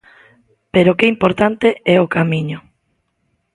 Pero que importante é o camiño.